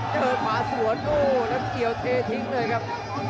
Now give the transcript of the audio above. เจอขวาสวนโอ้แล้วเกี่ยวเททิ้งเลยครับ